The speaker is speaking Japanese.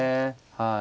はい。